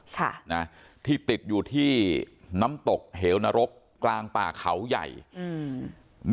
ค่ะนะที่ติดอยู่ที่น้ำตกเหวนรกกลางป่าเขาใหญ่อืม